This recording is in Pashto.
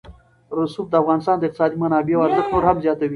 رسوب د افغانستان د اقتصادي منابعو ارزښت نور هم زیاتوي.